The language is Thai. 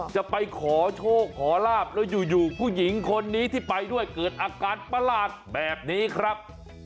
จะไปขอโชคขอลาบแล้วอยู่ผู้หญิงคนนี้ที่ไปด้วยเกิดอาการประหลาดแบบนี้ครับ